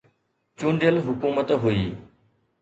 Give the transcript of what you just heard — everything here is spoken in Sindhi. چونڊيل حڪومت هئي.